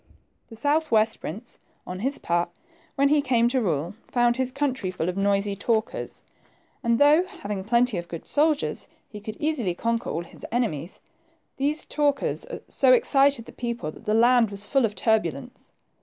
^ The south west prince, on his part, when he came to rule, found his country full of noisy talkers 3 and THE TWO PRINCES, 67 though, having plenty of good soldiers, he could easily conquer his enemies, these talkers so excited the people that the land was full of turbulence.